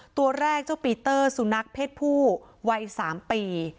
ตัวแรกเจ้าปีเตอร์สุนัขเพศผู้วัย๓ปี